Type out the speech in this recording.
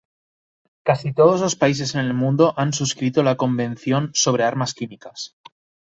Casi todos los países en el mundo han suscrito la Convención sobre armas químicas.